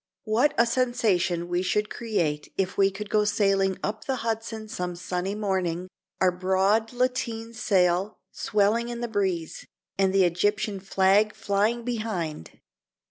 What a sensation we should create if we could go sailing up the Hudson some sunny morning, our broad lateen sail swelling in the breeze, and the Egyptian flag flying behind!